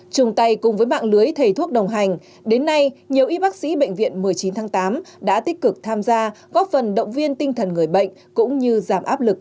chung tay cùng với mạng lưới thầy thuốc đồng hành đến nay nhiều y bác sĩ bệnh viện một mươi chín tháng tám đã tích cực tham gia góp phần động viên tinh thần người bệnh cũng như giảm áp lực